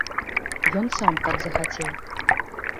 Ён сам так захацеў.